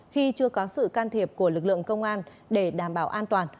khi chưa có sự can thiệp của lực lượng công an để đảm bảo an toàn